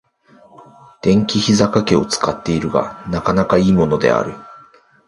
電気ひざかけを使っているが、なかなか良いものである。